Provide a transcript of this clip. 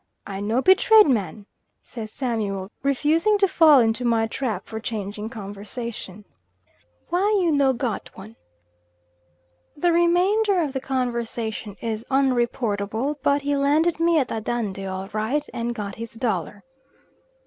"I no be trade man," says Samuel, refusing to fall into my trap for changing conversation. "Why you no got one?" The remainder of the conversation is unreportable, but he landed me at Andande all right, and got his dollar.